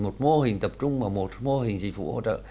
một mô hình tập trung và một mô hình dịch vụ hỗ trợ